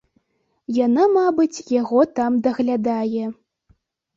Яна, мабыць, яго там даглядае.